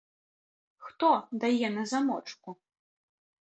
Хто дае на замочку?